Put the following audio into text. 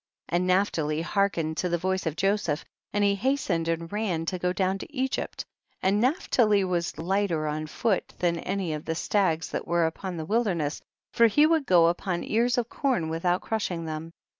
59. And Naphtali hearkened to the voice of Joseph and he hastened and ran to go down to Egypt, and Naphtali was lighter on foot than any of the stags that were upon the wilderness, for he would go upon ears of corn without crushing them.